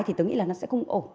thì tớ nghĩ là nó sẽ không ổ